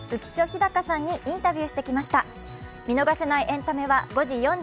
飛貴さんにインタビューしてきました。